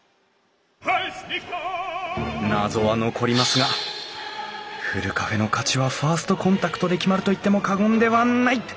謎は残りますがふるカフェの価値はファーストコンタクトで決まると言っても過言ではない！